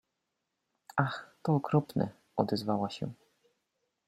— Ach, to okropne! — odezwała się.